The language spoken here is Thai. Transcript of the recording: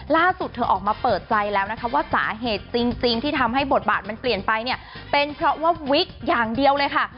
ล่าสุดเธอออกมาเปิดใจแล้วนะคะว่าสาเหตุจริงที่ทำให้บทบาทมันเปลี่ยนไปเนี่ยเป็นเพราะว่าวิกอย่างเดียวเลยค่ะ